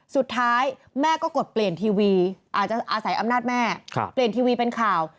สุดท้ายแม่ก็กดเปลี่ยนทีวีอาจจะอาศัยอำนาจแม่เปลี่ยนทีวีเป็นข่าว